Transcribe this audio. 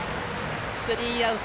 スリーアウト！